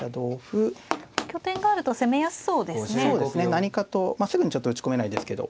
何かとまあすぐにちょっと打ち込めないですけど。